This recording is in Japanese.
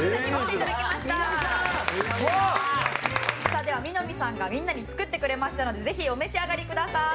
さあでは味呑さんがみんなに作ってくれましたのでぜひお召し上がりください。